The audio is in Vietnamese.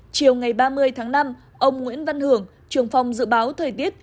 chiều ngày ba mươi tháng năm ông nguyễn văn hưởng trường phòng dự báo thời tiết